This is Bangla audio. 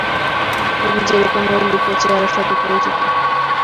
তুমি যেরকম এই লোকের চেহারার সাথে পরিচিত।